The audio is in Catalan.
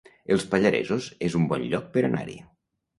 Els Pallaresos es un bon lloc per anar-hi